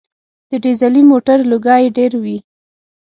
د ډیزلي موټر لوګی ډېر وي.